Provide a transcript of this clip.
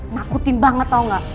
nakutin banget tau nggak